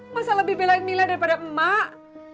masa lebih belain mila daripada emak